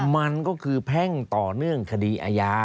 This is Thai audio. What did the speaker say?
มันก็คือแพ่งต่อเนื่องคดีอาญา